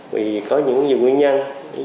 vì có những nguyên nhân